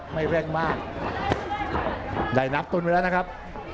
ไม่เร่งมากได้นับตุ้นไว้แล้วนะครับ